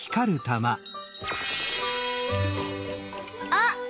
あっ！